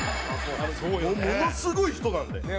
ものすごい人なんで。